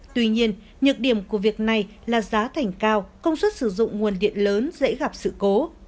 tuy nhiên nhược điểm của việc này là giá thành cao công suất sử dụng nguồn điện lớn dễ gặp sự cố